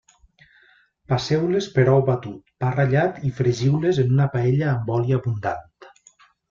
Passeu-les per ou batut, pa ratllat i fregiu-les en una paella amb oli abundant.